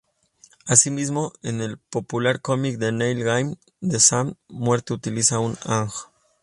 Asimismo, en el popular cómic de Neil Gaiman, The Sandman, Muerte utiliza un anj.